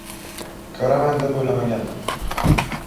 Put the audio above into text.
Ko‘raman deb o‘ylamagandim.